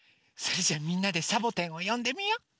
それじゃあみんなでサボてんをよんでみよう！